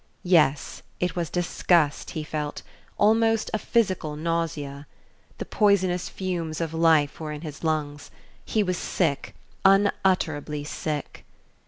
Yes, it was disgust he felt almost a physical nausea. The poisonous fumes of life were in his lungs. He was sick, unutterably sick....